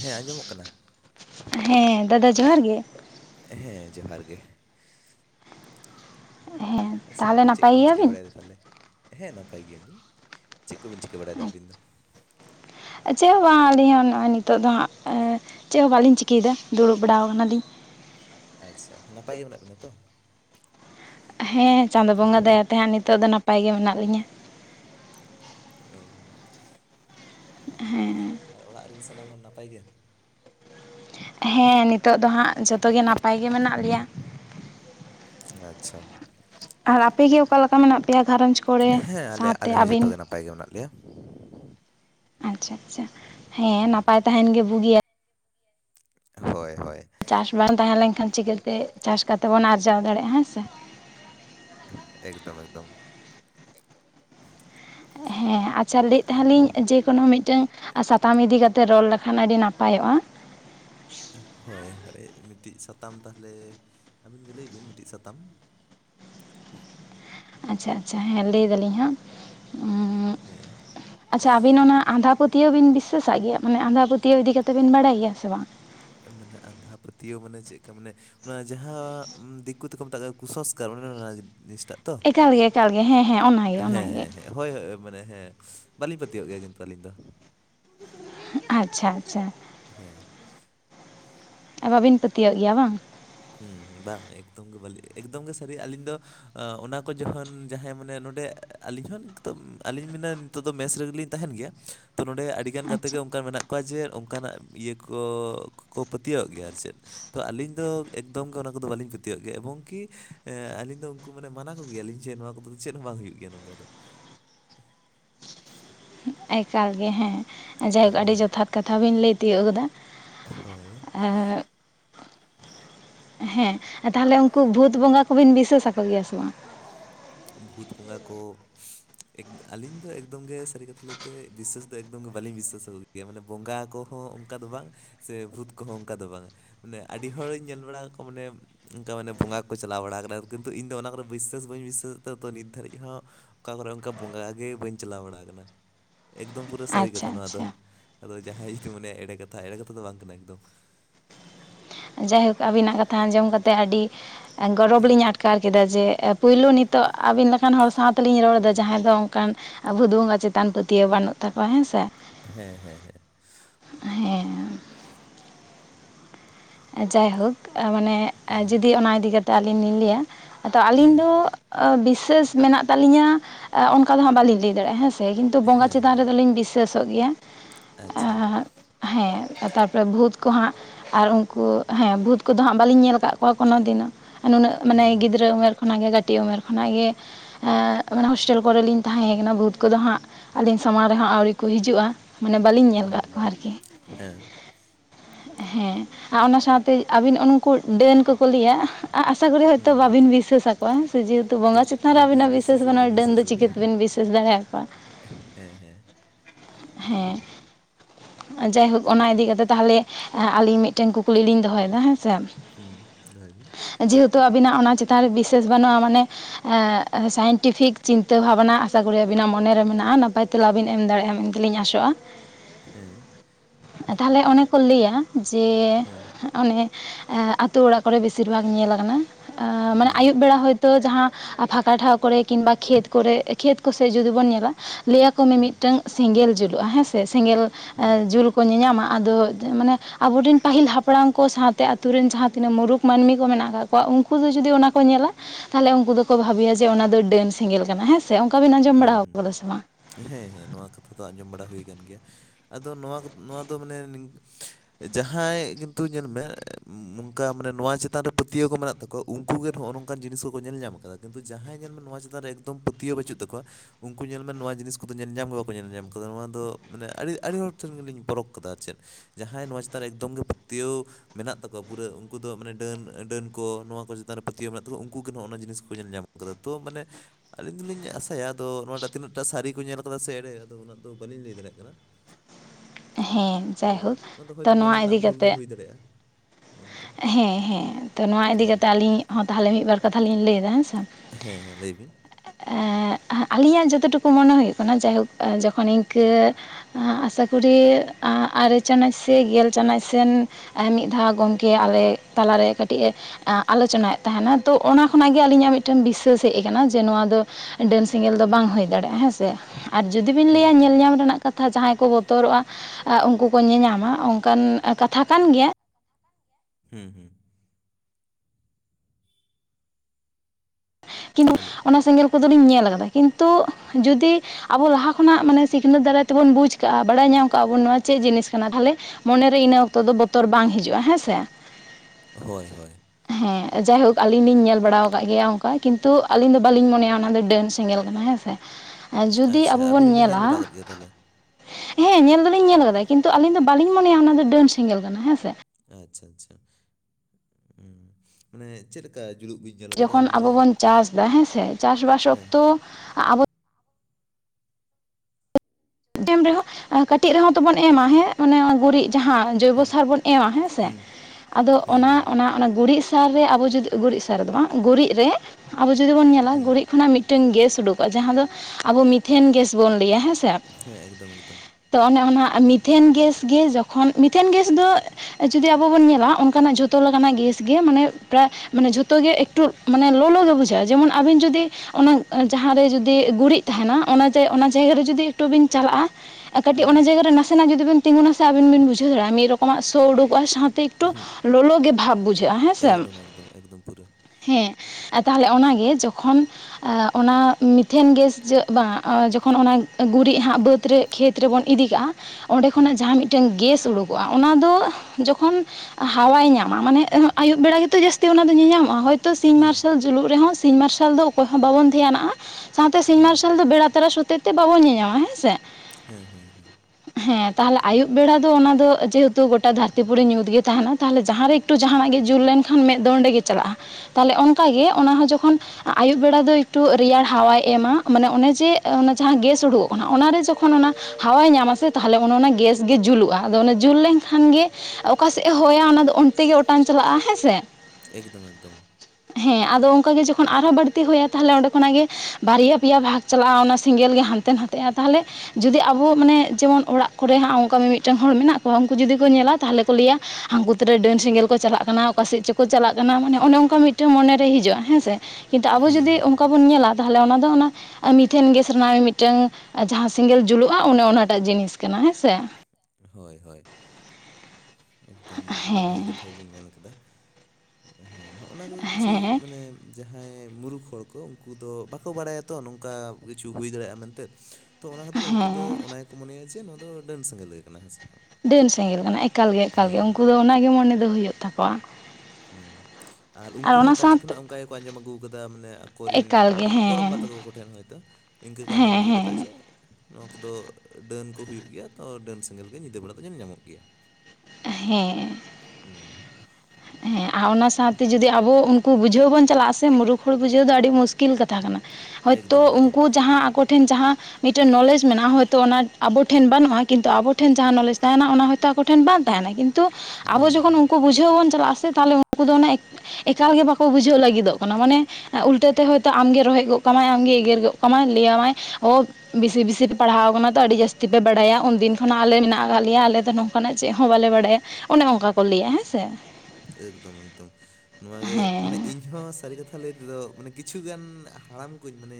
ᱦᱮᱸ ᱟᱸᱡᱚᱢᱚᱜ ᱠᱟᱱᱟ᱾ ᱦᱮᱸ ᱫᱟᱫᱟ ᱡᱚᱦᱟᱨ ᱜᱮ ᱦᱮᱸ ᱡᱚᱦᱟᱨ ᱜᱮ᱾ ᱦᱮᱸ ᱟᱪᱪᱷᱟ ᱛᱟᱦᱚᱞᱮ ᱪᱮᱫ ᱱᱟᱯᱟᱭ ᱠᱚᱢ ᱪᱤᱠᱟᱹ ᱜᱮᱭᱟᱵᱤᱱ ᱵᱟᱲᱟᱭᱮᱫᱟ ᱛᱟᱦᱞᱮ? ᱦᱮᱸ ᱱᱟᱯᱟᱭ ᱜᱮᱭᱟᱞᱤᱧ, ᱪᱮᱜ ᱠᱚᱵᱮᱱ ᱪᱤᱠᱟᱹ ᱵᱟᱲᱟᱭᱮᱫᱟ ᱟᱹᱵᱤᱱ ᱫᱚ? ᱪᱮᱜ ᱦᱚᱸ ᱵᱟᱝ ᱟᱹᱞᱤᱧ ᱦᱚᱸ ᱱᱚᱜᱼᱚᱭ ᱱᱤᱛᱚᱜ ᱫᱚ ᱦᱟᱸᱜ ᱪᱮ ᱦᱚᱸ ᱵᱟᱞᱤᱧ ᱪᱤᱠᱟᱹᱭᱮᱫᱟ ᱫᱩᱲᱩᱵ ᱵᱟᱲᱟᱣ ᱠᱟᱱᱟᱞᱤᱧ᱾ ᱟᱪᱪᱷᱟ ᱱᱟᱯᱟᱭ ᱜᱮ ᱢᱮᱱᱟᱜ ᱵᱤᱱᱟ ᱛᱚ? ᱦᱮᱸ ᱪᱟᱸᱫᱳ ᱵᱚᱸᱜᱟ ᱫᱟᱭᱟᱛᱮ ᱦᱟᱸᱜ ᱱᱤᱛᱚᱜ ᱫᱚ ᱱᱟᱯᱟᱭ ᱜᱮ ᱢᱮᱱᱟᱜ ᱞᱤᱧᱟᱹ᱾ ᱚᱸ ᱟᱨ ᱚᱲᱟᱜ ᱨᱤᱱ ᱥᱟᱱᱟᱢ ᱦᱚᱲ ᱱᱟᱯᱟᱭ ᱜᱮ? ᱦᱮᱸ ᱱᱤᱛᱚᱜ ᱫᱚ ᱦᱟᱸᱜ ᱡᱚᱛᱚ ᱜᱮ ᱱᱟᱯᱟᱭ ᱜᱮ ᱢᱮᱱᱟᱜ ᱞᱮᱭᱟ᱾ ᱟᱪᱪᱷᱟ, ᱟᱨ ᱟᱯᱮᱜᱮ ᱚᱠᱟᱞᱮᱠᱟ ᱢᱮᱱᱟᱜ ᱯᱮᱭᱟ ᱜᱷᱟᱨᱚᱸᱧᱡᱽ ᱠᱚᱨᱮ ᱦᱮᱸ ᱟᱞᱮ ᱥᱟᱶᱛᱮ ᱟᱞᱮ ᱟᱹᱵᱤᱱ? [unintelligible] ᱜᱮ ᱢᱮᱱᱟᱜ ᱞᱮᱭᱟ᱾ ᱟᱪᱪᱷᱟ ᱟᱪᱪᱷᱟ ᱦᱮᱸ ᱦᱩᱸ ᱱᱟᱯᱟᱭ ᱛᱟᱦᱮᱱ ᱜᱮ ᱵᱩᱜᱤᱭᱟ᱾ ᱦᱳᱭ ᱦᱳᱭ᱾ ᱪᱟᱥ ᱵᱟᱝ ᱛᱟᱦᱮᱸ ᱞᱮᱱᱠᱷᱟᱱ ᱪᱤᱠᱟᱹᱛᱮ ᱪᱟᱥ ᱠᱟᱛᱮ ᱵᱚᱱ ᱟᱨᱡᱟᱣ ᱫᱟᱲᱮᱭᱟᱜᱼᱟ ᱦᱮᱸ ᱥᱮ᱾ ᱮᱠᱫᱚᱢ ᱮᱠᱫᱚᱢ, ᱦᱮᱸ ᱟᱪᱪᱷᱟ ᱞᱟᱹᱭᱮᱫ ᱛᱟᱦᱮᱸᱫ ᱞᱤᱧ ᱡᱮ ᱠᱳᱱᱳ ᱢᱤᱜᱴᱟᱹᱝ ᱥᱟᱛᱟᱢ ᱤᱫᱤ ᱠᱟᱛᱮ ᱨᱚᱲ ᱞᱮᱠᱷᱟᱱ ᱟᱹᱰᱤ ᱱᱟᱯᱟᱭᱚᱜᱼᱟ᱾ ᱦᱳᱭ ᱦᱳᱭ ᱢᱤᱫᱴᱤᱡ ᱥᱟᱛᱟᱢ ᱛᱟᱦᱚᱞᱮ ᱟᱹᱵᱤᱱ ᱜᱮ ᱞᱟᱹᱭ ᱵᱤᱱ ᱢᱤᱫᱴᱤᱡ ᱥᱟᱛᱟᱢ᱾ ᱟᱪᱪᱷᱟ ᱟᱪᱪᱷᱟ ᱦᱮᱸ ᱞᱟᱹᱭ ᱫᱟᱞᱤᱧ ᱦᱟᱸᱜ ᱦᱮᱸ᱾ ᱟᱪᱪᱷᱟ ᱟᱹᱵᱤᱱ ᱚᱱᱟ ᱟᱸᱫᱷᱟ ᱯᱟᱹᱛ ᱯᱟᱹᱛᱭᱟᱹᱣ ᱵᱤᱱ ᱵᱤᱥᱥᱟᱹᱥᱟᱜ ᱜᱮᱭᱟ ᱢᱟᱱᱮ ᱟᱸᱫᱷᱟ ᱯᱟᱹᱛᱭᱟᱹᱣ ᱤᱫᱤ ᱠᱟᱛᱮ ᱵᱤᱱ ᱵᱟᱲᱟᱭ ᱜᱮᱭᱟ ᱥᱮ ᱵᱟᱝ? ᱢᱟᱱᱮ ᱟᱸᱫᱷᱟ ᱯᱟᱹᱛᱭᱟᱹᱣ ᱢᱟᱱᱮ ᱪᱮᱜ ᱠᱟ ᱢᱟᱱᱮ ᱚᱱᱟ ᱡᱟᱦᱟᱸ ᱫᱤᱠᱩ ᱛᱮᱠᱚ ᱢᱮᱛᱟᱜ ᱫᱚ ᱠᱩᱥᱚᱝᱥᱠᱟᱨ ᱚᱱᱟ ᱡᱤᱱᱤᱥᱴᱟᱜ ᱛᱚ? ᱮᱠᱟᱞ ᱜᱮ ᱮᱠᱟᱞ ᱜᱮ ᱦᱮᱸ ᱦᱮᱸ ᱚᱱᱟᱜᱮ ᱦᱮᱸ ᱚᱱᱟᱜᱮ ᱦᱮᱸ ᱦᱳᱭ ᱦᱳᱭ ᱢᱟᱱᱮ ᱦᱮᱸ ᱵᱟᱹᱞᱤᱧ ᱯᱟᱹᱛᱭᱟᱹᱣᱟᱜ ᱜᱮᱭᱟ ᱠᱤᱱᱛᱩ ᱟᱹᱞᱤᱧ ᱫᱚ᱾ ᱟᱪᱪᱷᱟ ᱟᱪᱪᱷᱟ ᱦᱮᱸ ᱵᱟᱵᱤᱱ ᱯᱟᱹᱛᱭᱟᱹᱜ ᱜᱮᱭᱟ ᱵᱟᱝ ᱦᱮᱸ ᱵᱟᱝ ᱮᱠᱫᱚᱢ ᱜᱮ ᱵᱟᱞᱤ ᱮᱠᱫᱚᱢ ᱜᱮ ᱥᱟᱹᱨᱤ ᱟᱹᱞᱤᱧ ᱫᱚ ᱚᱱᱟ ᱠᱚ ᱡᱚᱠᱷᱚᱱ ᱡᱟᱦᱟᱸᱭ ᱢᱟᱱᱮ ᱱᱚᱸᱰᱮ ᱟᱹᱞᱤᱧ ᱦᱚᱸ ᱱᱤᱛᱚᱜ ᱟᱹᱞᱤᱧ ᱢᱮᱱᱟ ᱱᱤᱛᱚᱜ ᱫᱚ ᱢᱮᱥ ᱨᱮᱜᱮᱞᱤᱧ ᱛᱟᱦᱮᱱ ᱜᱮᱭᱟ ᱛᱚ ᱱᱚᱸᱰᱮ ᱟᱹᱰᱤᱜᱟᱱ ᱜᱟᱛᱮ ᱟᱪᱪᱷᱟ ᱜᱮ ᱚᱱᱠᱟ ᱢᱮᱱᱟᱜ [unintelligible] ᱡᱮ ᱚᱱᱠᱟᱱᱟᱜ ᱤᱭᱟᱹ ᱠᱚᱠᱚ ᱯᱟᱹᱛᱭᱟᱹᱣᱟᱜ ᱜᱮᱭᱟ ᱟᱨ ᱪᱮᱫ ᱛᱚ ᱟᱹᱞᱤᱧ ᱫᱚ ᱮᱠᱫᱚᱢ ᱜᱮ ᱠᱚᱫᱚ ᱵᱟᱞᱤᱧ ᱯᱟᱹᱛᱭᱟᱹᱜ ᱜᱮᱭᱟ ᱮᱵᱚᱝ ᱠᱤ ᱟᱞᱤᱧ ᱫᱚ ᱩᱱ ᱠᱩ ᱢᱟᱱᱮ ᱢᱟᱱᱟ ᱠᱚ ᱜᱮᱭᱟ ᱞᱤᱧ ᱪᱮᱫ ᱦᱚᱸ ᱵᱟᱝ ᱦᱩᱭᱩᱜ ᱜᱮᱭᱟ ᱱᱚᱝᱠᱟ ᱫᱚ ᱮᱠᱟᱞᱜᱮ ᱦᱮᱸ ᱡᱟᱭᱦᱳᱠ ᱟᱹᱰᱤ ᱡᱚᱛᱷᱟᱛ ᱠᱟᱛᱷᱟ ᱵᱤᱱ ᱞᱟᱹᱭ ᱛᱤᱭᱳᱜ ᱠᱟᱫᱟ ᱦᱳᱭ ᱦᱮᱸ ᱛᱟᱦᱚᱞᱮ ᱩᱱᱠᱩ ᱵᱷᱩᱛ ᱵᱚᱸᱜᱟ ᱠᱚᱵᱤᱱ ᱵᱤᱥᱟᱹᱥ ᱟᱠᱚ ᱜᱮᱭᱟ ᱥᱮ ᱵᱟᱝ? ᱵᱷᱩᱛ ᱵᱚᱸᱜᱟ ᱠᱚ ᱟᱞᱤᱧ ᱫᱚ ᱮᱠᱫᱚᱢ ᱜᱮ ᱥᱟᱹᱨᱤ ᱠᱟᱛᱷᱟ ᱞᱟᱹᱭᱛᱮ ᱵᱤᱥᱥᱟᱹᱥ ᱫᱚ ᱮᱠᱫᱚᱢ ᱜᱮ ᱵᱟᱞᱤᱧ ᱵᱤᱥᱥᱟᱹᱥ- [unintelligible] ᱵᱚᱸᱜᱟ ᱠᱚᱦᱚᱸ ᱚᱱᱠᱟ ᱫᱚ ᱵᱟᱝ ᱥᱮ ᱵᱷᱩᱛ ᱠᱚᱦᱚᱸ ᱚᱱᱠᱟ ᱫᱚ ᱵᱟᱝ ᱢᱟᱱᱮ ᱟᱹᱰᱤ ᱦᱚᱲᱤᱧ ᱧᱮᱞ ᱵᱟᱲᱟᱣ ᱠᱟᱜ ᱠᱚ ᱢᱟᱱᱮ [unintelligible] ᱢᱟᱱᱮ ᱵᱚᱸᱜᱟ ᱠᱚ ᱪᱟᱞᱟᱣ ᱵᱟᱲᱟ ᱟᱠᱟᱱᱟ ᱠᱤᱱᱛᱩ ᱤᱧ ᱫᱚ ᱚᱱᱟ ᱠᱚᱫᱚ ᱵᱤᱥᱥᱟᱹᱥ ᱵᱟᱹᱧ ᱵᱤᱥᱥᱟᱹ ᱱᱤᱛ ᱫᱷᱟᱹᱨᱤᱡ ᱦᱚᱸ ᱚᱠᱟ ᱠᱚᱨᱮ ᱚᱱᱠᱟ ᱵᱚᱸᱜᱟ ᱜᱮ ᱵᱟᱹᱧ ᱪᱟᱞᱟᱣ ᱵᱟᱲᱟ ᱟᱠᱟᱱᱟ ᱮᱠᱫᱚᱢ ᱯᱩᱨᱟᱹ ᱥᱟᱹᱨᱤ ᱟᱪᱪᱷᱟ ᱠᱟᱛᱷᱟ ᱱᱚᱣᱟ ᱫᱚ ᱟᱪᱪᱷᱟ ᱟᱫᱚ ᱡᱟᱦᱟᱸᱭ ᱡᱩᱫᱤ ᱢᱚᱱᱮᱭᱟ ᱮᱲᱮ ᱠᱟᱛᱷᱟ ᱮᱲᱮ ᱠᱟᱛᱷᱟ ᱫᱚ ᱵᱟᱝ ᱠᱟᱱᱟ ᱮᱠᱫᱚᱢ ᱡᱟᱭᱦᱳᱠ ᱟᱵᱤᱱᱟᱜ ᱠᱟᱛᱷᱟ ᱟᱸᱡᱚᱢ ᱠᱟᱛᱮᱜ ᱟᱹᱰᱤ ᱜᱚᱨᱚᱵᱽ ᱞᱤᱧ ᱟᱴᱠᱟᱨ ᱠᱮᱫᱟ ᱡᱮ ᱯᱳᱭᱞᱳ ᱱᱤᱛᱚᱜ ᱟᱹᱵᱤᱱ ᱞᱮᱠᱟᱱ ᱦᱚᱲ ᱥᱟᱶ ᱛᱮᱞᱤᱧ ᱨᱚᱲ ᱮᱫᱟ ᱡᱟᱦᱟᱸᱭ ᱫᱚ ᱚᱱᱠᱟᱱ ᱵᱷᱩᱫ ᱵᱚᱸᱜᱟ ᱪᱮᱛᱟᱱ ᱯᱟᱹᱛᱭᱟᱹᱣ ᱵᱟᱹᱱᱩᱜ ᱛᱟᱠᱚᱣᱟ ᱦᱮᱸ ᱥᱮ ᱦᱮᱸ ᱦᱮᱸ ᱦᱮᱸ ᱦᱮᱸ ᱡᱟᱭᱦᱳᱠ ᱢᱟᱱᱮ ᱡᱩᱫᱤ ᱚᱱᱟ ᱤᱫᱤ ᱠᱟᱛᱮ ᱟᱹᱞᱤᱧ ᱞᱤᱧ ᱞᱟᱹᱭᱟ ᱟᱫᱚ ᱟᱹᱞᱤᱧ ᱦᱮᱸ ᱫᱚ ᱵᱤᱥᱮᱥ ᱢᱮᱱᱟᱜ ᱛᱟᱹᱞᱤᱧᱟ ᱚᱱᱠᱟ ᱫᱚ ᱦᱟᱸᱜ ᱵᱟᱹᱞᱤᱧ ᱞᱟᱹᱭ ᱫᱟᱲᱮᱭᱟᱜᱼᱟ ᱦᱮᱸᱥᱮ ᱠᱤᱱᱛᱩ ᱵᱚᱸᱜᱟ ᱦᱮᱸ ᱪᱮᱛᱟᱱ ᱦᱮᱸ ᱨᱮᱫᱚᱞᱤᱧ ᱵᱤᱥᱥᱟᱹᱥᱚᱜ ᱜᱮᱭᱟ ᱟᱪᱪᱷᱟ ᱦᱮᱸ [unintelligible] ᱵᱷᱩᱛ ᱠᱚᱦᱟᱸᱜ ᱟᱨ [unintelligible] ᱦᱮᱸ ᱵᱷᱩᱛ ᱠᱚᱫᱚ ᱦᱟᱸᱜ ᱵᱟᱹᱞᱤᱧ ᱧᱮᱞ ᱟᱠᱟᱫ ᱠᱚᱣᱟ ᱠᱳᱱᱳ ᱫᱤᱱᱳ ᱟᱨ ᱱᱩᱱᱟᱹᱜ ᱢᱟᱱᱮ ᱦᱩᱸ ᱦᱩᱸ ᱜᱤᱫᱽᱨᱟᱹ ᱩᱢᱮᱨ ᱚᱱᱟᱜᱮ ᱠᱟᱴᱤᱜ ᱩᱢᱮᱨ ᱠᱷᱚᱱᱟᱜ ᱜᱮ᱾ ᱦᱳᱥᱴᱮᱞ ᱠᱚᱨᱮ ᱞᱤᱧ ᱛᱟᱦᱮᱸ ᱭᱟᱠᱟᱱᱟ ᱵᱷᱩᱩᱛ ᱠᱚᱫᱚ ᱦᱟᱸᱜ ᱟᱹᱞᱤᱧ ᱥᱟᱢᱟᱝ ᱨᱮᱱᱟᱜ ᱟᱹᱣᱨᱤ ᱠᱚ ᱦᱤᱡᱩᱜᱼᱟ᱾ ᱢᱟᱱᱮ ᱵᱟᱹᱞᱤᱧ ᱧᱮᱞ ᱟᱠᱟᱫ ᱠᱚᱣᱟ ᱟᱨ ᱠᱤ ᱚᱰᱮ ᱦᱮᱸ ᱟᱨ ᱚᱱᱟ ᱥᱟᱶᱛᱮ ᱟᱹᱵᱤᱱ ᱩᱱᱠᱩ ᱰᱟᱹᱱ ᱠᱚᱠᱚ ᱞᱟᱹᱭᱟ ᱠᱚᱨᱮ ᱦᱚᱭᱛᱳ ᱦᱩᱸ ᱦᱩᱸ ᱵᱟᱵᱤᱱ ᱵᱤᱥᱟᱹᱥᱟᱠᱚᱣᱟ ᱡᱮᱦᱮᱛᱩ ᱵᱚᱸᱜᱟ ᱮᱠ ᱪᱮᱛᱟᱱ ᱨᱮ ᱟᱞᱮ ᱵᱤᱥ ᱟᱵᱤᱱᱟᱜ ᱵᱤᱥᱟᱹᱥ ᱵᱤᱥᱥᱟᱹᱥ ᱦᱚᱸ ᱵᱟᱹᱞᱤᱧ ᱵᱟᱱᱩᱜᱼᱟ ᱰᱟᱹᱱ ᱫᱚ ᱵᱤᱥᱥᱟᱹᱥ ᱠᱚᱜᱮᱭᱟ ᱪᱤᱠᱟᱹᱛᱮ ᱦᱳᱭ ᱵᱤᱱ ᱵᱤᱥᱟᱹᱥ ᱫᱟᱲᱮᱭᱟᱠᱚᱣᱟ ᱦᱮᱸ ᱦᱮᱸ ᱦᱮᱸ ᱡᱟᱭᱦᱳᱠ ᱚᱱᱟ ᱤᱫᱤ ᱠᱟᱛᱮᱜ ᱛᱟᱦᱚᱞᱮ ᱟᱞᱤᱧ ᱢᱤᱫᱴᱮᱱ ᱠᱩᱠᱞᱤ ᱞᱤᱧ ᱫᱚᱦᱚ ᱭᱮᱫᱟ ᱦᱮᱸ ᱥᱮ ᱫᱚᱦᱚᱭ ᱵᱤᱱ ᱡᱮᱦᱮᱛᱩ ᱟᱵᱤᱱᱟᱜ ᱚᱱᱟ ᱪᱮᱛᱟᱱ ᱨᱮ ᱵᱤᱥᱥᱟᱹᱥ ᱵᱟᱹᱱᱩᱜᱼᱟ ᱢᱟᱱᱮ ᱥᱟᱭᱮᱱᱴᱤᱯᱷᱤᱠ ᱪᱤᱱᱛᱟᱹ ᱵᱷᱟᱵᱱᱟ ᱟᱥᱟ ᱠᱚ ᱟᱵᱤᱱᱟ ᱢᱚᱱᱮ ᱨᱮ ᱢᱮᱱᱟᱜᱼᱟ ᱱᱟᱯᱟᱭ ᱛᱮ ᱛᱮᱞᱟ ᱵᱤᱱ ᱮᱢ ᱫᱟᱲᱮ ᱭᱟᱜᱼᱟ ᱢᱮᱱᱛᱮ ᱞᱤᱧ ᱟᱥᱚᱜᱼᱟ ᱦᱮᱸ ᱛᱟᱦᱚᱞᱮ ᱚᱱᱮ ᱠᱚ ᱞᱟᱹᱭᱟ ᱡᱮ ᱦᱮᱸ ᱦᱮᱸ ᱚᱱᱮ ᱟᱛᱳ ᱚᱲᱟᱜ ᱠᱚᱨᱮ ᱵᱤᱥᱤᱨ ᱵᱷᱟᱜᱽ ᱧᱮᱞ ᱟᱠᱟᱱᱟ ᱢᱟᱱᱮ ᱦᱩᱸ ᱟᱹᱭᱩᱵ ᱵᱮᱲᱟ ᱦᱚᱭ ᱛᱚ ᱡᱟᱦᱟᱸ ᱯᱷᱟᱠᱟ ᱴᱷᱟᱶ ᱠᱚᱨᱮ ᱠᱤᱢᱵᱟ ᱠᱷᱮᱛ ᱠᱚᱨᱮ ᱠᱷᱮᱛ ᱠᱚᱥᱮ ᱡᱩᱫᱤ ᱵᱚᱱ ᱧᱮᱞᱟ ᱞᱟᱹᱭᱟᱠᱚ ᱦᱩᱸ ᱢᱤᱼᱢᱤᱫᱴᱟᱝ ᱥᱮᱸᱜᱮᱞ ᱡᱩᱞᱩᱜᱼᱟ ᱦᱮᱸᱥᱮ ᱥᱮᱸᱜᱮᱞ ᱡᱩᱞ ᱠᱚ ᱧᱮᱞ ᱧᱟᱢᱟ ᱟᱫᱚ ᱢᱟᱱᱮ ᱟᱵᱚ ᱨᱤᱱ ᱯᱟᱹᱦᱤᱞ ᱦᱟᱯᱲᱟᱢ ᱠᱚ ᱥᱟᱶᱛᱮ ᱟᱹᱛᱩ ᱨᱤᱱ ᱡᱟᱦᱟᱸ ᱛᱤᱱᱟᱹᱜ ᱢᱩᱨᱩᱠ ᱢᱟᱹᱱᱢᱤ ᱠᱚ ᱢᱮᱱᱟᱜ ᱟᱠᱟᱫ ᱠᱚᱣᱟ ᱩᱱᱠᱩ ᱫᱚ ᱡᱩᱫᱤ ᱚᱱᱟ ᱠᱚ ᱧᱮᱞᱟ ᱛᱟᱦᱚᱞᱮ ᱩᱱᱠᱩ ᱫᱚᱠᱚ ᱵᱷᱟᱹᱵᱤᱭᱟ ᱡᱮ ᱚᱱᱟ ᱫᱚ ᱰᱟᱹᱱ ᱥᱮᱸᱜᱮᱞ ᱠᱟᱱᱟ ᱦᱮᱸ ᱥᱮ ᱥᱮ ᱚᱱᱠᱟ ᱵᱤᱱ ᱟᱸᱡᱚᱢ ᱵᱟᱲᱟ ᱦᱩᱸ ᱦᱩᱸ ᱟᱠᱟᱫᱟ ᱥᱮ ᱵᱟᱝ ᱦᱮᱸ ᱦᱮᱸ ᱱᱚᱣᱟ ᱠᱟᱛᱷᱟ ᱫᱚ ᱟᱸᱡᱚᱢ ᱵᱟᱲᱟ ᱦᱩᱭ ᱟᱠᱟᱱ ᱜᱮᱭᱟ ᱟᱫᱚ ᱱᱚᱣᱟ ᱱᱚᱣᱟ ᱫᱚ ᱢᱟᱱᱮ ᱡᱟᱦᱟᱸᱭ ᱠᱤᱱᱛᱩ ᱧᱮᱞ ᱢᱮ ᱚᱱᱠᱟ ᱢᱟᱱᱮ ᱱᱚᱣᱟ ᱪᱮᱛᱟᱱ ᱨᱮ ᱯᱟᱹᱛᱭᱟᱹᱣ ᱠᱚ ᱢᱮᱱᱟᱜ ᱛᱟᱠᱚᱣᱟ ᱾ ᱩᱱᱠᱩᱜ ᱜᱮ ᱱᱚᱜᱼᱚ ᱱᱚᱝᱠᱟᱱ ᱡᱤᱱᱤᱥ ᱠᱚᱠᱚ ᱧᱮᱞ ᱧᱟᱢ ᱠᱟᱫᱟ, ᱠᱤᱱᱛᱩ ᱡᱟᱦᱟᱸᱭ ᱧᱮᱞ ᱢᱮ ᱱᱚᱣᱟ ᱪᱮᱛᱟᱱ ᱨᱮ ᱮᱠᱫᱚᱢ ᱯᱟᱹᱛᱭᱟᱹᱣ ᱵᱟᱹᱱᱩᱜ ᱛᱟᱠᱚᱣᱟ, ᱩᱱᱠᱩ ᱧᱮᱞ ᱢᱮ ᱱᱚᱣᱟ ᱡᱤᱱᱤᱥ ᱠᱚᱫᱚ ᱧᱮᱞ ᱧᱟᱢ ᱜᱮ ᱵᱟᱠᱚ ᱧᱮᱞ ᱧᱟᱢ ᱠᱟᱫᱟ᱾ ᱱᱚᱣᱟ ᱫᱚ ᱢᱟᱱᱮ ᱟᱹᱰᱤ ᱟᱹᱰᱤ ᱦᱚᱲ ᱴᱷᱮᱱ ᱜᱮᱞᱤᱧ ᱯᱚᱨᱚᱠ ᱠᱟᱫᱟ, ᱟᱨ ᱪᱮᱫ ᱡᱟᱦᱟᱸᱭ ᱱᱚᱣᱟ ᱪᱮᱛᱟᱱ ᱨᱮ ᱮᱠᱫᱚᱢ ᱜᱮ ᱯᱟᱹᱛᱭᱟᱹᱣ ᱢᱮᱱᱟᱜ ᱛᱟᱠᱚᱣᱟ ᱯᱩᱨᱟᱹ ᱩᱱᱠᱩ ᱫᱚ, ᱢᱟᱱᱮ ᱰᱟᱹᱱ ᱰᱟᱹᱱ ᱠᱚ ᱱᱚᱣᱟ ᱠᱚ ᱪᱮᱛᱟᱱ ᱨᱮ ᱯᱟᱹᱛᱭᱟᱹᱣ ᱢᱮᱱᱟᱜ ᱛᱟᱠᱚᱣᱟ ᱩᱱᱠᱩ ᱜᱮ ᱚᱱᱟ ᱡᱤᱱᱤᱥ ᱠᱚ ᱧᱮᱞ ᱧᱟᱢᱟ᱾ ᱛᱚ ᱢᱟᱱᱮ ᱟᱹᱞᱤᱧ ᱫᱚᱞᱤᱧ ᱟᱥᱟᱭᱟ ᱛᱚ ᱱᱚᱣᱟ ᱛᱤᱱᱟᱹᱜ ᱴᱟᱴ ᱥᱟᱹᱨᱤ ᱠᱚ ᱧᱮᱞ ᱠᱟᱫᱟ ᱥᱮ ᱮᱲᱮ, ᱟᱫᱚ ᱩᱱᱟᱹᱜ ᱫᱚ ᱵᱟᱹᱞᱤᱧ ᱞᱟᱹᱭ ᱫᱟᱲᱮᱭᱟᱜ ᱠᱟᱱᱟ᱾ ᱦᱮᱸ ᱛᱚ ᱡᱟᱭᱦᱳᱠ ᱚᱱᱟ ᱫᱚ ᱦᱚᱭᱛᱳ ᱢᱚᱱᱮ ᱨᱮᱱᱟᱜ ᱵᱷᱩᱞ ᱦᱚᱸ ᱦᱩᱭ ᱫᱟᱲᱮᱜᱼᱟ᱾ ᱦᱮᱸᱻᱦᱮᱸᱻᱛᱚ ᱱᱚᱣᱟ ᱤᱫᱤ ᱦᱮᱸ ᱠᱟᱛᱮ ᱟᱞᱤᱧ ᱦᱚᱸ ᱛᱟᱦᱚᱞᱮ ᱢᱤᱫᱼᱵᱟᱨ ᱠᱟᱛᱷᱟ ᱞᱤᱧ ᱞᱟᱹᱭ ᱮᱫᱟ ᱦᱮᱸᱥᱮ? ᱦᱮᱸᱻᱦᱮᱸᱻᱞᱟᱹᱭ ᱵᱤᱱ᱾ ᱟᱹᱞᱤᱧᱟᱜ ᱡᱚᱛᱚ ᱴᱩᱠᱩ ᱢᱚᱱᱮ ᱦᱩᱭᱩᱜ ᱠᱟᱱᱟ ᱡᱟᱭᱦᱳᱠ ᱡᱚᱠᱷᱚᱱ ᱤᱱᱠᱟᱹ ᱟᱥᱟ ᱠᱚᱨᱤ ᱟᱨᱮ ᱪᱟᱱᱟᱪ ᱥᱮ ᱜᱮᱞ ᱪᱟᱱᱟᱪ ᱥᱮᱱ ᱟᱨ ᱢᱤᱫ ᱫᱷᱟᱣ ᱜᱚᱢᱠᱮ ᱟᱞᱮ ᱛᱟᱞᱟ ᱨᱮ ᱠᱟᱹᱴᱤᱡ ᱮ ᱟᱞᱳᱪᱚᱱᱟᱭᱮᱜ ᱛᱟᱦᱮᱸᱱᱟ ᱛᱚ, ᱚᱱᱟ ᱠᱷᱚᱱᱟᱜ ᱜᱮ ᱟᱹᱞᱤᱧᱟᱜ ᱢᱤᱫᱴᱮᱱ ᱵᱤᱥᱥᱟᱹᱥ ᱦᱮᱡ ᱠᱟᱱᱟ ᱡᱮ ᱱᱚᱣᱟ ᱫᱚ ᱰᱟᱺᱱ ᱥᱮᱸᱜᱮᱞ ᱫᱚ ᱵᱟᱝ ᱦᱩᱭ ᱫᱟᱲᱮᱜᱼᱟ᱾ ᱦᱮᱸ ᱥᱮ ᱟᱨ ᱡᱩᱫᱤ ᱵᱤᱱ ᱦᱩᱸ ᱞᱟᱹᱭᱟ ᱦᱩᱸ ᱧᱮᱞ ᱧᱟᱢ ᱨᱮᱱᱟᱜ ᱠᱟᱛᱷᱟ ᱡᱟᱦᱟᱸᱭ ᱠᱚ ᱵᱚᱛᱚᱨᱚᱜ-ᱟ ᱩᱱᱠᱩ ᱠᱚ ᱧᱮᱧᱟᱢᱟ ᱚᱱᱠᱟᱱ ᱠᱟᱛᱷᱟ ᱠᱟᱱ ᱜᱮᱭᱟ᱾ ᱦᱩᱸᱻᱦᱩᱸᱻ᱾ ᱠᱤᱱᱛᱩ ᱦᱮᱞᱳ ᱚᱱᱟ ᱥᱮᱸᱜᱮᱞ ᱠᱚᱫᱚᱞᱤᱧ ᱧᱮᱞ ᱠᱟᱫᱟ᱾ ᱠᱤᱱᱛᱩ ᱡᱩᱫᱤ ᱟᱵᱚ ᱞᱟᱦᱟ ᱠᱷᱚᱱᱟᱜ ᱢᱟᱱᱮ ᱥᱤᱠᱷᱱᱟᱹᱛ ᱫᱟᱨᱟᱭ ᱛᱮᱵᱚᱱ ᱵᱩᱡᱽ ᱠᱟᱜ-ᱟ, ᱵᱟᱲᱟᱭ ᱧᱟᱢ ᱠᱟᱜ-ᱟ, ᱵᱚᱱ ᱱᱚᱣᱟ ᱪᱮᱫ ᱡᱤᱱᱤᱥ ᱠᱟᱱᱟ ᱛᱟᱞᱦᱮ ᱢᱚᱱᱮ ᱨᱮ ᱤᱱᱟᱹ ᱚᱠᱛᱚ ᱫᱚ ᱵᱚᱛᱚᱨ ᱵᱟᱝ ᱦᱤᱡᱩᱜ-ᱟ, ᱦᱮᱸ ᱥᱮ᱾ ᱦᱳᱭᱻᱦᱳᱭᱻ᱾ ᱦᱮᱸ ᱡᱟᱭᱦᱳᱠ ᱟᱞᱤᱧ ᱞᱤᱧ ᱧᱮᱞ ᱵᱟᱲᱟ ᱠᱟᱜ ᱜᱮᱭᱟ ᱚᱱᱠᱟ᱾ ᱠᱤᱱᱛᱩ ᱟᱹᱞᱤᱧ ᱫᱚ ᱵᱟᱞᱤᱧ ᱢᱚᱱᱮᱭᱟ ᱚᱱᱟ ᱫᱚ ᱰᱟᱺᱱ ᱥᱮᱸᱜᱮᱞ ᱠᱟᱱᱟ, ᱦᱮᱸ ᱥᱮ᱾ ᱡᱩᱫᱤ ᱟᱪᱪᱷᱟ ᱟᱵᱚ ᱵᱚᱱ ᱟᱹᱵᱤᱱ ᱦᱚᱸᱵᱤᱱ ᱧᱮᱞᱟ ᱧᱮᱞ ᱵᱟᱲᱟ ᱟᱠᱟᱫ ᱜᱮᱭᱟ ᱛᱟᱦᱚᱞᱮ ᱦᱮᱸ ᱧᱮᱞ ᱫᱚᱞᱤᱧ ᱧᱮᱞ ᱠᱟᱫᱟ ᱠᱤᱱᱛᱩ ᱟᱞᱤᱧ ᱫᱚ ᱵᱟᱞᱤᱧ ᱢᱚᱱᱮᱭᱟ ᱚᱱᱟ ᱫᱚ ᱰᱟᱺᱱ ᱥᱮᱸᱜᱮᱞ ᱠᱟᱱᱟ, ᱦᱮᱸ ᱥᱮ᱾ ᱟᱪᱷᱟᱻᱟᱪᱷᱟᱻ᱾ ᱦᱩᱸ ᱢᱟᱱᱮ ᱪᱮᱫ ᱞᱮᱠᱟ ᱡᱩᱞᱩᱜ? ᱧᱮᱞ ᱟᱠᱟᱫᱟ ᱡᱚᱠᱷᱚᱱ ᱢᱟᱱᱮ ᱟᱵᱚ ᱵᱚᱱ ᱪᱟᱥ ᱫᱟ, ᱦᱮᱸᱥᱮ ᱪᱟᱥᱼᱵᱟᱥ ᱦᱮᱸ ᱚᱠᱛᱚ ᱟᱵᱚ ᱮᱢ ᱨᱮᱦᱚᱸ ᱠᱟᱴᱤᱜ ᱨᱮᱦᱚᱸ ᱛᱵᱚᱱ ᱮᱢᱟ ᱦᱮᱸ ᱢᱟᱱᱮ ᱜᱩᱨᱤᱜ ᱡᱟᱦᱟᱸ ᱡᱳᱭᱵᱳ ᱦᱮᱸ ᱥᱟᱨ ᱵᱚᱱ ᱮᱢᱟ, ᱦᱮᱸ ᱥᱮ ᱦᱩᱸ ᱟᱫᱚ ᱦᱮᱸ ᱚᱱᱟᱻ ᱦᱮᱸ ᱚᱱᱟᱻ ᱚᱱᱟ ᱜᱩᱨᱤᱡ ᱥᱟᱨ ᱨᱮ ᱟᱵᱚ ᱡᱩᱫᱤ ᱜᱩᱨᱤᱡ ᱥᱟᱨ ᱨᱮ ᱫᱚ ᱵᱟᱝ, ᱜᱩᱨᱤᱡ ᱨᱮ ᱟᱵᱚ ᱡᱩᱫᱤ ᱵᱚᱱ ᱧᱮᱞᱟ ᱦᱩᱸ ᱜᱩᱨᱤᱡ ᱠᱷᱚᱱᱟᱜ ᱢᱤ ᱢᱤᱫᱴᱮᱱ ᱜᱮᱥ ᱩᱰᱩᱠᱚᱜ-ᱟ᱾ ᱡᱟᱦᱟᱸ ᱫᱚ ᱟᱵᱚ ᱢᱤᱛᱷᱮᱱ ᱜᱮᱥ ᱵᱚᱱ ᱞᱟᱹᱭᱟ ᱦᱮᱸ ᱥᱮ᱾ ᱦᱮᱸᱻᱮᱠᱫᱚᱢᱻᱮᱠᱫᱚᱢᱻ᱾ ᱛᱚ ᱚᱱᱮ ᱚᱱᱟ ᱢᱤᱛᱷᱮᱱ ᱜᱮᱥ ᱜᱮ ᱡᱚᱠᱷᱚᱱ ᱢᱤᱛᱷᱮᱱ ᱜᱮᱥ ᱫᱚ ᱡᱩᱫᱤ ᱟᱵᱚ ᱵᱚᱱ ᱧᱮᱞᱟ ᱚᱱᱠᱟᱱᱟᱜ ᱡᱷᱚᱛᱚ ᱞᱮᱠᱟᱱᱟᱜ ᱜᱮᱥ ᱜᱮ, ᱢᱟᱱᱮ ᱯᱨᱟᱭ ᱢᱟᱱᱮ ᱡᱷᱚᱛᱚ ᱜᱮ ᱴᱩ ᱢᱟᱱᱮ ᱞᱚᱞᱚᱜ ᱜᱮ ᱵᱩᱡᱷᱟᱹᱜ-ᱟ ᱡᱮᱢᱚᱱ ᱟᱵᱤᱱ ᱡᱩᱫᱤ ᱚᱱᱟ ᱡᱟᱦᱟᱸ ᱨᱮ ᱡᱩᱫᱤ ᱜᱩᱨᱤᱡ ᱛᱟᱦᱮᱸᱱᱟ, ᱚᱱᱟ ᱚᱱᱟ ᱡᱟᱭᱜᱟ ᱨᱮ ᱡᱩᱫᱤ ᱴᱩ ᱵᱤᱱ ᱪᱟᱞᱟᱜ-ᱟ, ᱠᱟᱹᱴᱤᱡ ᱦᱩᱸ ᱚᱱᱟ ᱡᱟᱭᱜᱟ ᱨᱮ ᱱᱟᱥᱮᱱᱟᱜ ᱡᱩᱫᱤ ᱵᱤᱱ ᱛᱤᱸᱜᱩᱱᱟ ᱥᱮ ᱟᱵᱤᱱ ᱵᱤᱱ ᱵᱩᱡᱷᱟᱣ ᱫᱟᱲᱮᱭᱟᱜ-ᱟ᱾ ᱢᱤᱫ ᱨᱚᱢ ᱟᱜ ᱥᱚ ᱩᱰᱩᱠᱚᱜ-ᱟ ᱥᱟᱶᱛᱮ ᱮᱠᱴᱩ ᱦᱩᱸ ᱮᱠᱴᱩ ᱞᱚᱞᱚ ᱜᱮ ᱵᱷᱟᱵ ᱵᱩᱡᱷᱟᱹᱜ-ᱟ ᱦᱮᱸ ᱥᱮ ᱮᱠᱫᱚᱢ ᱮᱠᱫᱚᱢ ᱮᱠᱫᱚᱢ ᱯᱩᱨᱟᱹ ᱦᱮᱸ ᱛᱟᱦᱚᱞᱮ ᱚᱱᱟ ᱜᱮ ᱡᱚᱠᱷᱚᱱ ᱚᱱᱟ ᱢᱛᱷᱮᱱ ᱜᱮᱥ ᱡᱮ ᱵᱟᱝ ᱡᱚᱠᱷᱚᱱ ᱚᱱᱟ ᱜᱩᱨᱤᱡ ᱦᱟᱸᱜ ᱵᱟᱹᱫᱽ ᱨᱮ, ᱠᱷᱮᱛ ᱨᱮᱵᱚᱱ ᱤᱫᱤ ᱠᱟᱜ-ᱟ ᱚᱸᱰᱮ ᱦᱩᱸ ᱠᱷᱚᱱᱟᱜ ᱡᱟᱦᱟᱸ ᱢᱤᱜᱴᱮᱱ ᱢᱤᱫᱴᱟᱝ ᱜᱮᱥ ᱩᱰᱩᱠᱚᱜ-ᱟ, ᱚᱱᱟ ᱫᱚ ᱡᱚᱠᱷᱚᱱ ᱦᱟᱣᱟᱭ ᱧᱟᱢᱟ᱾ ᱟᱢᱟᱜ ᱢᱟᱱᱮ ᱟᱭᱩᱵ ᱵᱮᱲᱟ ᱜᱮᱛᱚ ᱡᱟᱹᱥᱛᱤ ᱚᱱᱟ ᱫᱚ ᱧᱮᱧᱟᱢᱚᱜ-ᱟ᱾ ᱦᱚᱭ ᱛᱚ ᱥᱤᱧ ᱦᱩᱸ ᱢᱟᱨᱥᱟᱞ ᱡᱩᱞᱩᱜ ᱨᱮᱦᱚᱸ ᱥᱤᱧ ᱢᱟᱨᱥᱟᱞ ᱫᱚ ᱚᱠᱚᱭ ᱦᱚᱸ ᱵᱟᱵᱚᱱ ᱫᱷᱮᱭᱟᱱᱟᱜ-ᱟ᱾ ᱥᱟᱶᱛᱮ ᱥᱤᱧ ᱦᱩᱸ ᱢᱟᱨᱥᱟᱞ ᱦᱩᱸ ᱫᱚ ᱵᱮᱲᱟ ᱛᱟᱨᱟᱥ ᱦᱚᱛᱮ ᱛᱮ ᱵᱟᱵᱚᱱ ᱧᱮᱧᱟᱢᱟ᱾ ᱧᱟᱢᱟ ᱦᱮᱸ ᱥᱮ᱾ ᱦᱮᱸ ᱦᱮᱸ ᱦᱮᱸ ᱦᱮᱸ ᱛᱟᱦᱚᱞᱮ ᱟᱭᱩᱵ ᱵᱮᱲᱟ ᱫᱚ ᱚᱱᱟ ᱫᱚ, ᱡᱮᱦᱮᱛᱩ ᱜᱚᱴᱟ ᱫᱷᱟᱹᱨᱛᱤ ᱯᱩᱨᱤ ᱧᱩᱛ ᱜᱮ ᱛᱟᱦᱮᱸᱱᱟ᱾ ᱛᱟᱦᱚᱞᱮ ᱡᱟᱦᱟᱸ ᱨᱮ ᱮᱠᱴᱩ ᱡᱩᱞ ᱞᱮᱱᱠᱷᱟᱱ ᱢᱮᱫ ᱫᱚ ᱚᱸᱰᱮ ᱜᱮ ᱪᱟᱞᱟᱜ-ᱟ᱾ ᱛᱟᱦᱚᱞᱮ ᱚᱱᱠᱟ ᱜᱮ ᱚᱱᱟ ᱦᱚᱸ ᱡᱚᱠᱷᱚᱱ ᱟᱹᱭᱩᱵ ᱵᱮᱲᱟ ᱫᱚᱭ ᱴᱩ ᱨᱮᱭᱟᱲ ᱦᱟᱣᱟᱭ ᱮᱢᱟ ᱢᱟᱱᱮ ᱚᱱᱮ ᱡᱮ ᱡᱟᱦᱟᱸ ᱜᱮᱥ ᱩᱰᱩᱠᱚᱜ ᱚᱱᱟ ᱨᱮ ᱡᱚᱠᱷᱚᱱ ᱚᱱᱟ ᱦᱟᱣᱟᱭ ᱧᱟᱢ ᱟ ᱥᱮ ᱛᱟᱦᱚᱞᱮ ᱚᱱᱮ ᱚᱱᱟ ᱜᱮᱥ ᱜᱮ ᱡᱩᱞᱩᱜ-ᱟ ᱟᱫᱚ ᱚᱱᱮ ᱡᱩᱞ ᱞᱮᱱᱠᱷᱟᱱ ᱜᱮ ᱚᱠᱟ ᱥᱮᱫ ᱮ ᱦᱚᱭᱟ ᱚᱱᱟ ᱫᱚ ᱚᱱᱛᱮ ᱜᱮ ᱚᱴᱟᱝ ᱪᱟᱞᱟᱜ-ᱟ ᱦᱮᱸ ᱥᱮ ᱮᱠᱫᱚᱢ ᱮᱠᱫᱚᱢ ᱦᱮᱸ ᱟᱫᱚ ᱚᱱᱠᱟ ᱜᱮ ᱡᱚᱠᱷᱚᱱ ᱟᱨᱦᱚᱸ ᱵᱟᱹᱲᱛᱤ ᱦᱚᱭᱟᱭ ᱛᱟᱦᱞᱮ ᱚᱸᱰᱮ ᱠᱷᱚᱱᱟᱜ ᱜᱮ ᱵᱟᱨᱭᱟ ᱯᱮᱭᱟ ᱵᱷᱟᱜᱽ ᱪᱟᱞᱟᱜ-ᱟ ᱚᱱᱟ ᱥᱮᱸᱜᱮᱞ ᱜᱮ ᱦᱟᱱᱛᱮ ᱱᱟᱛᱮᱜ-ᱟ ᱛᱟᱦᱚᱞᱮ ᱡᱩᱫᱤ ᱟᱵᱚ ᱢᱟᱱᱮ ᱡᱮᱢᱚᱱ ᱚᱲᱟᱜ ᱠᱚᱨᱮ ᱦᱟᱸᱜ ᱚᱱᱠᱟ ᱢᱤ-ᱢᱤᱫᱴᱟᱹᱝ ᱦᱚᱲ ᱢᱮᱱᱟᱜ ᱠᱚᱣᱟ ᱩᱱᱠᱩ ᱡᱩᱫᱤ ᱠᱚ ᱧᱮᱞᱟ ᱛᱟᱦᱚᱞᱮ ᱠᱚ ᱞᱟᱹᱭᱟ ᱦᱟᱝᱠᱩ ᱛᱤᱱᱟᱹᱜ ᱰᱟᱹᱱ ᱥᱮᱸᱜᱮᱞ ᱠᱚ ᱪᱟᱞᱟᱜ ᱠᱟᱱᱟ ᱚᱠᱟᱥᱮᱫ ᱪᱚᱠᱚ ᱪᱟᱞᱟᱜ ᱠᱟᱱᱟ ᱢᱟᱱᱮ ᱚᱱᱮ ᱚᱱᱠᱟ ᱢᱤ-ᱢᱤᱫᱴᱟᱹᱝ ᱢᱚᱱᱮ ᱨᱮ ᱦᱤᱡᱩᱜ-ᱟ ᱦᱮᱸ ᱥᱮ ᱠᱤᱱᱛᱩ ᱟᱵᱚ ᱦᱩᱸ ᱡᱩᱫᱤ ᱦᱩᱸ ᱚᱱᱠᱟ ᱦᱩᱸ ᱵᱚᱱ ᱧᱮᱞᱟ ᱛᱟᱦᱚᱞᱮ ᱚᱱᱟ ᱫᱚ ᱚᱱᱟ ᱢᱤᱛᱷᱮᱱ ᱜᱮᱥ ᱨᱮᱱᱟᱜ ᱢᱤᱫᱴᱮᱱ ᱟᱻ ᱡᱟᱦᱟᱸ ᱥᱮᱸᱜᱮᱞ ᱡᱩᱞᱩᱜ-ᱟ ᱚᱱᱮ ᱚᱱᱟᱴᱟᱜ ᱡᱤᱱᱤᱥ ᱠᱟᱱᱟ ᱦᱮᱸ ᱥᱮ ᱦᱳᱭ ᱦᱳᱭ ᱮᱠᱫᱚᱢ ᱟᱹᱰᱤ ᱦᱮᱸ ᱵᱷᱟᱹᱜᱤ ᱠᱟᱛᱷᱟ ᱜᱤᱵᱤᱱ ᱢᱮᱱ ᱠᱟᱫᱟ ᱦᱮᱸ [unintelligible] ᱚᱱᱟ ᱠᱚᱜᱮ ᱠᱤᱪᱷᱩ ᱦᱮᱸ ᱢᱟᱱᱮ ᱡᱟᱦᱟᱸᱭ ᱢᱩᱨᱩᱠ ᱦᱚᱲ ᱠᱚ ᱩᱱᱠᱩ ᱫᱚ ᱵᱟᱠᱚ ᱵᱟᱲᱟᱭᱟᱛᱚ ᱱᱚᱝᱠᱟ ᱠᱤᱪᱷᱩ ᱦᱩᱭ ᱫᱟᱲᱮᱭᱟᱜ-ᱟ ᱢᱮᱱᱛᱮ ᱛᱚ ᱚᱱᱟ ᱠᱷᱟᱹᱛᱤᱨ ᱩᱱᱠᱩ ᱫᱚ ᱚᱱᱟ ᱜᱮ ᱠᱚ ᱢᱚᱱᱮᱭᱟ ᱡᱮ ᱱᱚᱣᱟ ᱫᱚ ᱰᱟᱹᱱ ᱥᱟᱸᱜᱮᱞ ᱜᱮ ᱠᱟᱱᱟ ᱦᱮᱸ ᱥᱮ ᱵᱟᱝ ᱰᱟᱹᱱ ᱥᱮᱸᱜᱮᱞ ᱠᱟᱱᱟ ᱮᱠᱟᱞ ᱜᱮ ᱮᱠᱟᱞ ᱜᱮ ᱦᱩᱸ ᱩᱱᱠᱩ ᱦᱩᱸ ᱫᱚ ᱚᱱᱟᱜᱮ ᱢᱚᱱᱮ ᱫᱚ ᱦᱩᱭᱩᱜ ᱛᱟᱠᱚᱣᱟ ᱦᱮᱸ ᱟᱨ ᱩᱱᱠᱩ ᱚᱱᱟ ᱦᱚᱸ ᱠᱟᱹᱴᱤᱡ ᱥᱟᱶᱛᱮ ᱠᱷᱚᱱᱟᱜ ᱚᱱᱠᱟ ᱜᱮᱠᱚ ᱟᱸᱡᱚᱢ ᱟᱹᱜᱩ ᱟᱠᱟᱫᱟ ᱢᱟᱱᱮ ᱟᱠᱚᱨᱮᱱ ᱮᱠᱟᱞ ᱜᱮ ᱜᱚᱲᱚᱢᱵᱟ ᱦᱮᱸ ᱛᱟᱠᱚ ᱠᱚᱴᱷᱮᱱ ᱦᱚᱭᱛᱳ ᱤᱱᱠᱟᱹ ᱠᱚ ᱟᱸᱡᱚᱢ ᱦᱮᱸ ᱟᱹᱜᱩ ᱠᱟᱫᱟ ᱦᱮᱸ ᱡᱮ ᱱᱚᱣᱟ ᱠᱚᱫᱚ ᱰᱟᱹᱱ ᱠᱚ ᱦᱩᱭᱩᱜ ᱜᱮᱭᱟ ᱛᱚ ᱰᱟᱹᱱ ᱥᱮᱸᱜᱮᱞ ᱜᱮ ᱧᱤᱫᱟᱹ ᱵᱮᱲᱟ ᱫᱚ ᱧᱮᱞ ᱧᱟᱢᱚᱜ ᱜᱮᱭᱟ ᱦᱮᱸ ᱦᱩᱸ ᱦᱮᱸ ᱟᱨ ᱚᱱᱟ ᱥᱟᱶᱛᱮ ᱡᱩᱫᱤ ᱟᱵᱚ ᱩᱱᱠᱩ ᱵᱩᱡᱷᱟᱹᱣ ᱵᱚᱱ ᱪᱟᱞᱟᱜᱼᱟ ᱥᱮ ᱢᱩᱨᱩᱠᱷ ᱦᱚᱲ ᱵᱩᱡᱷᱟᱹᱣ ᱫᱚ ᱟᱹᱰᱤ ᱢᱩᱥᱠᱤᱞ ᱠᱟᱛᱷᱟ ᱠᱟᱱᱟ ᱦᱳᱭᱛᱳ ᱮᱠᱫᱚᱢ ᱮᱠᱫᱚᱢ ᱩᱱᱠᱩ ᱡᱟᱦᱟᱸ ᱟᱠᱚ ᱴᱷᱮᱱ ᱡᱟᱦᱟᱸ ᱢᱤᱫᱴᱮᱱ ᱱᱚᱞᱮᱡ ᱢᱮᱱᱟᱜᱼᱟ ᱦᱚᱭᱛᱳ ᱟᱵᱚ ᱴᱷᱮᱱ ᱵᱟᱹᱱᱩᱜᱼᱟ ᱠᱤᱱᱛᱩ ᱟᱵᱚ ᱴᱷᱮᱱ ᱡᱟᱦᱟᱸ ᱱᱚᱞᱮᱢ ᱛᱟᱸᱦᱮᱱᱟ ᱚᱱᱟ ᱦᱚᱭᱛᱳ ᱟᱠᱚ ᱴᱷᱮᱱ ᱵᱟᱝ ᱛᱟᱦᱮᱱᱟ ᱠᱤᱱᱛᱩ ᱟᱵᱚ ᱦᱩᱸ ᱡᱚᱠᱷᱚᱱ ᱦᱩᱸ ᱩᱱᱠᱩ ᱵᱩᱡᱷᱟᱹᱣ ᱵᱚᱱ ᱪᱟᱞᱟᱜᱼᱟ ᱥᱮ ᱛᱟᱦᱚᱞᱮ ᱩᱱᱠᱩ ᱫᱚ [unintelligible] ᱮᱠᱟᱞ ᱜᱮ ᱵᱟᱠᱚ ᱵᱩᱡᱷᱟᱹᱣ ᱞᱟᱹᱜᱤᱫᱚᱜ ᱠᱟᱱᱟ ᱢᱟᱱᱮ ᱩᱞᱴᱟᱹᱛᱮ ᱦᱚᱭᱛᱳ ᱟᱢᱜᱮ ᱨᱚᱦᱮᱫ ᱜᱚᱫ ᱠᱟᱢᱟᱭ ᱟᱢᱜᱮ ᱮᱜᱮᱨ ᱜᱚᱜ ᱠᱟᱢᱟᱭ ᱞᱟᱹᱭᱟᱢᱟᱭ ᱚᱼᱼ ᱵᱤᱥᱤ ᱵᱤᱥᱤ ᱯᱮ ᱯᱟᱲᱦᱟᱣ ᱟᱠᱟᱱᱟ ᱛᱚ ᱟᱹᱰᱤ ᱡᱟᱹᱥᱛᱤ ᱯᱮ ᱵᱟᱲᱟᱭᱟ ᱩᱱᱫᱤᱱ ᱠᱷᱚᱱᱟᱜ ᱟᱞᱮ ᱢᱮᱱᱟᱜ ᱟᱠᱟᱫ ᱞᱮᱭᱟ ᱟᱞᱮ ᱫᱚ ᱱᱚᱝᱼᱼ ᱱᱟᱜ ᱪᱮᱫ ᱦᱚᱸ ᱵᱟᱞᱮ ᱵᱟᱲᱟᱭᱟ ᱚᱱᱮ ᱚᱱᱠᱟ ᱠᱚ ᱞᱟᱹᱭᱟ ᱦᱮᱸ ᱥᱮ ᱮᱠᱫᱚᱢ ᱮᱠᱫᱚᱢ ᱱᱚᱣᱟ ᱜᱮ ᱦᱮᱸ ᱢᱟᱱᱮ ᱤᱧ ᱤᱧᱦᱚᱸ ᱥᱟᱹᱨᱤ ᱠᱟᱛᱷᱟ ᱞᱟᱹᱭ ᱛᱮᱫᱚ ᱢᱟᱱᱮ ᱠᱤᱪᱷᱩᱜᱟᱱ ᱦᱟᱲᱟᱢ ᱠᱩᱧ ᱢᱟᱱᱮ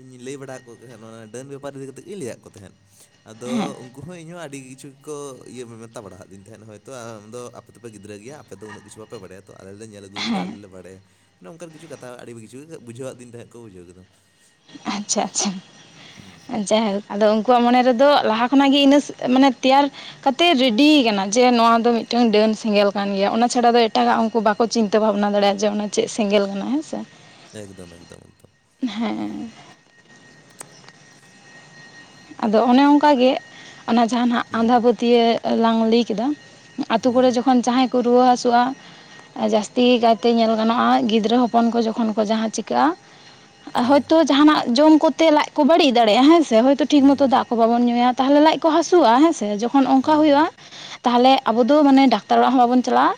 ᱤᱧ ᱞᱟᱹᱭ ᱵᱟᱲᱟ ᱠᱚ ᱛᱟᱦᱮᱸᱫ ᱚᱱᱟ ᱰᱟᱹᱱ ᱵᱮᱯᱟᱨ ᱤᱫᱤ ᱠᱟᱛᱮᱜ ᱜᱤᱧ ᱞᱟᱹᱭᱟᱠᱚ ᱛᱟᱦᱮᱸᱫ ᱟᱫᱚ ᱦᱮᱸ ᱩᱱᱠᱩ ᱦᱚᱸ ᱤᱧᱦᱚᱸ ᱟᱹᱰᱤ ᱠᱤᱪᱷᱩ [unintelligible] ᱤᱭᱟᱹ ᱢᱮᱛᱟᱫ ᱵᱟᱲᱟᱫᱤᱧ ᱛᱟᱦᱮᱸ ᱦᱚᱭ ᱛᱚ ᱟᱢ ᱫᱚ ᱟᱯᱮ ᱫᱚᱯᱮ ᱜᱤᱫᱽᱨᱟᱹ ᱜᱮᱭᱟ ᱟᱯᱮ ᱫᱚ ᱩᱱᱟᱹᱜ ᱠᱤᱪᱷᱩ ᱵᱟᱯᱮ ᱵᱟᱰᱟᱭᱟ ᱛᱚ ᱟᱞᱮ ᱧᱮᱞ ᱟᱹᱜᱩ ᱟᱠᱟᱫᱟ ᱦᱮᱸ ᱟᱞᱮ ᱞᱮ ᱵᱟᱲᱟᱭᱟ ᱱᱚᱝᱠᱟᱱ ᱠᱤᱪᱷᱩ ᱠᱟᱛᱷᱟ ᱟᱹᱰᱤ ᱠᱤᱪᱷᱩ ᱵᱩᱡᱷᱟᱹᱣᱟᱹᱫᱤᱧ ᱛᱟᱦᱮᱸᱫ ᱠᱚ ᱵᱩᱡᱷᱟᱹᱣ ᱠᱮᱫᱟᱢ ᱟᱪᱪᱷᱟ ᱟᱪᱪᱷᱟ ᱡᱟᱭ ᱷᱳᱠ ᱟᱫᱚ ᱩᱱᱠᱩᱣᱟᱜ ᱢᱚᱱᱮ ᱨᱮᱫᱚ ᱞᱟᱦᱟ ᱠᱷᱚᱱᱟᱜ ᱜᱮ ᱤᱱᱟᱹ ᱢᱟᱱᱮ ᱛᱮᱭᱟᱨ ᱠᱟᱛᱮᱫ ᱨᱮᱰᱤᱭ ᱠᱟᱱᱟ ᱡᱮ ᱱᱚᱣᱟ ᱫᱚ ᱢᱤᱫᱴᱟᱹᱝ ᱰᱟᱹᱱ ᱥᱮᱸᱜᱮᱞ ᱠᱟᱱ ᱜᱮᱭᱟ ᱚᱱᱟ ᱪᱷᱟᱲᱟ ᱫᱚ ᱮᱴᱟᱜᱟᱜ ᱩᱱᱠᱩ ᱵᱟᱼᱼ ᱠᱚ ᱪᱤᱱᱛᱟᱹ ᱵᱷᱟᱵᱽᱱᱟ ᱫᱮᱲᱭᱟᱜᱼᱟ ᱡᱮ ᱚᱱᱟ ᱪᱮᱫ ᱥᱮᱸᱜᱮᱞ ᱠᱟᱱᱟ ᱦᱮᱸ ᱥᱮ ᱮᱠᱫᱚᱢ ᱮᱠᱫᱚᱢ ᱮᱠᱫᱚᱢ ᱦᱮᱸ ᱟᱫᱚ ᱚᱱᱮ ᱚᱱᱠᱟᱜᱮ ᱚᱱᱟ ᱡᱟᱦᱟᱱᱟᱜ ᱦᱩᱸ ᱟᱸᱫᱷᱟ ᱯᱟᱹᱛᱭᱟᱹᱣ ᱞᱟᱝ ᱞᱟᱹᱭ ᱠᱮᱫᱟ ᱟᱹᱛᱳ ᱦᱩᱸ ᱠᱚᱨᱮ ᱡᱚᱠᱷᱚᱱ ᱡᱟᱦᱟᱸᱭ ᱠᱚ ᱨᱩᱣᱟᱹ ᱦᱟᱹᱥᱩᱜᱼᱟ ᱡᱟᱹᱥᱛᱤ ᱠᱟᱭᱛᱮ ᱧᱮᱞ ᱜᱟᱱᱚᱜᱼᱟ ᱜᱤᱫᱽᱨᱟᱹ ᱦᱚᱯᱚᱱ ᱠᱚ ᱡᱚᱠᱷᱚᱱ ᱠᱚ ᱡᱟᱦᱟᱸ ᱪᱮᱼᱼ ᱪᱤᱠᱟᱹᱜᱼᱟ ᱦᱮᱸ ᱦᱚᱭᱛᱳ ᱡᱟᱦᱟᱱᱟᱜ ᱡᱚᱢ ᱠᱚᱛᱮ ᱞᱟᱡ ᱠᱚ ᱵᱟᱹᱲᱤᱡ ᱫᱟᱲᱮᱭᱟᱜᱼᱟ ᱦᱮᱸ ᱥᱮ ᱡᱩᱫᱤ ᱴᱷᱤᱠ ᱢᱚᱛᱚ ᱫᱟᱜ ᱠᱚ ᱵᱟᱵᱚᱱ ᱧᱩᱭᱟ ᱛᱟᱦᱚᱞᱮ ᱞᱟᱡ ᱠᱚ ᱦᱟᱹᱥᱩᱜᱼᱟ ᱦᱮᱸ ᱥᱮ ᱚᱱᱠᱟ ᱦᱳᱭᱛᱳ ᱡᱟᱦᱟᱱᱟᱜ ᱡᱚᱢ ᱠᱚᱛᱮ ᱞᱟᱡ ᱠᱚ ᱵᱟᱹᱲᱤᱡ ᱫᱟᱲᱮᱭᱟᱜᱼᱟ ᱦᱮᱸᱥᱮ ᱴᱷᱤᱠ ᱢᱚᱛᱚ ᱫᱟᱜ ᱠᱚ ᱵᱟᱵᱚᱱ ᱧᱩᱭᱟ ᱛᱟᱦᱞᱮ ᱞᱟᱡ ᱠᱚ ᱦᱟᱹᱥᱩᱜᱼᱟ ᱦᱮᱸᱥᱮ ᱡᱚᱠᱷᱚᱱ ᱚᱱᱠᱟ ᱦᱩᱭᱩᱜᱼᱟ ᱛᱟᱦᱚᱞᱮ ᱟᱵᱚ ᱫᱚ ᱢᱟᱱᱮ ᱰᱟᱠᱛᱟᱨ ᱚᱲᱟᱜ ᱦᱚᱸ ᱵᱟᱵᱚᱱ ᱪᱟᱞᱟᱜᱼᱟ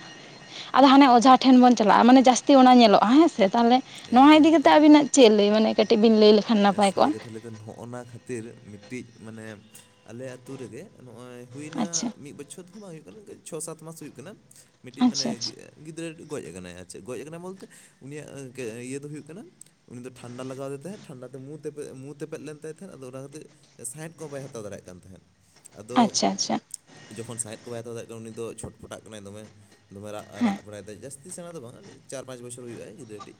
ᱟᱫᱚ ᱦᱟᱱᱮ ᱚᱡᱷᱟ ᱴᱷᱮᱱ ᱵᱚᱱ ᱪᱟᱞᱟᱜᱼᱟ ᱢᱟᱱᱮ ᱡᱟᱹᱥᱛᱤ ᱚᱱᱟ ᱧᱮᱞᱚᱜᱼᱟ ᱦᱮᱸ ᱥᱮ ᱛᱟᱦᱚᱞᱮ ᱦᱩᱭᱩᱜᱼᱟ ᱱᱚᱣᱟ ᱤᱫᱤ ᱮᱠᱫᱚᱢ ᱠᱟᱛᱮᱜ ᱮᱠᱫᱚᱢ ᱟᱹᱵᱤᱱᱟᱜ ᱪᱮᱫ ᱞᱟᱹᱭ ᱢᱟᱱᱮ ᱠᱟᱹᱴᱤᱡ ᱵᱤᱱ ᱞᱟᱹᱭ ᱞᱮᱠᱷᱟᱱ ᱱᱟᱯᱟᱭ ᱥᱟᱹᱨᱤ ᱠᱚᱜᱼᱟ ᱠᱟᱛᱷᱟ ᱞᱟᱹᱭ ᱫᱚ ᱱᱚᱜᱼᱱᱟ ᱠᱷᱟᱹᱛᱤᱨ ᱢᱤᱫᱴᱤᱡ ᱢᱟᱱᱮ ᱟᱞᱮ ᱟᱹᱛᱳ ᱨᱮᱜᱮ ᱱᱚᱜᱼᱚᱭ ᱦᱩᱭᱱᱟ ᱟᱪᱪᱷᱟ ᱢᱤᱫ ᱵᱚᱪᱷᱚᱨ ᱫᱚ ᱵᱟᱝ ᱦᱩᱭᱩᱜ ᱠᱟᱱᱟ ᱪᱷᱚ ᱥᱟᱛ ᱢᱟᱥ ᱦᱩᱭᱩᱜ ᱠᱟᱱᱟ ᱢᱤᱫᱴᱤᱡ ᱢᱟᱱᱮ ᱟᱪᱪᱷᱟ ᱜᱤ ᱟᱪᱪᱷᱟ ᱜᱤᱫᱽᱨᱟᱹ ᱜᱚᱡ ᱠᱟᱱᱟᱭ ᱟᱨ ᱪᱮᱫ, ᱜᱚᱡ ᱠᱟᱱᱟᱭ ᱵᱚᱞᱛᱮ ᱩᱱᱤᱭᱟᱜ ᱜᱮ ᱤᱭᱟᱹ ᱫᱚ ᱦᱩᱭᱩᱜ ᱠᱟᱱᱟ ᱩᱱᱤ ᱫᱚ ᱴᱷᱟᱱᱰᱟ ᱞᱟᱜᱟᱣ ᱟᱫᱮ ᱛᱟᱸᱦᱮᱫ ᱴᱷᱟᱱᱰᱟ ᱛᱮ ᱢᱩᱸ ᱛᱮᱯᱮᱫ, ᱢᱩᱸ ᱛᱮᱯᱮᱫ ᱞᱮᱱ ᱛᱟᱭ ᱛᱟᱦᱮᱸᱫ ᱟᱫᱚ ᱚᱱᱟ ᱠᱷᱟᱹᱛᱤᱨ ᱥᱟᱸᱦᱮᱫ ᱠᱚ ᱦᱚᱸ ᱵᱟᱭ ᱦᱟᱛᱟᱣ ᱫᱟᱲᱮᱭᱟᱜ ᱠᱟᱱ ᱛᱟᱦᱮᱸᱫ ᱟᱫᱚ ᱟᱪᱪᱷᱟ ᱟᱪᱪᱷᱟ ᱡᱚᱠᱷᱚᱱ ᱥᱟᱸᱦᱮᱫ ᱠᱚ ᱵᱟᱭ ᱦᱟᱛᱟᱣ ᱫᱟᱲᱮᱭᱟᱜ ᱠᱟᱱᱟ ᱩᱱᱤ ᱫᱚᱭ ᱪᱷᱚᱴ ᱯᱚᱴᱟᱜ ᱠᱟᱱᱟᱭ ᱫᱚᱢᱮ ᱫᱚᱢᱮ ᱨᱟᱜ ᱦᱮᱸ ᱨᱟᱜ ᱵᱟᱲᱟᱭ ᱫᱟᱭ ᱡᱟᱹᱥᱛᱤ ᱥᱮᱬᱟ ᱫᱚ ᱵᱟᱝ, ᱚᱱᱮ ᱪᱟᱨ ᱯᱟᱸᱪ ᱵᱚᱪᱷᱚᱨ ᱦᱩᱭᱩᱜᱼᱟ ᱜᱤᱫᱽᱨᱟᱹ ᱴᱤᱡ